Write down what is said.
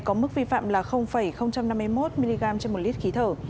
có mức vi phạm là năm mươi một mg trên một lít khí thở